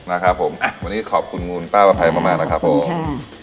มาครับผมอ่ะวันนี้ขอบคุณมูลป้าปะไพ่มามากครับผมขอบคุณค่ะ